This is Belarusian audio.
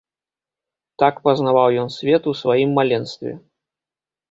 Так пазнаваў ён свет у сваім маленстве.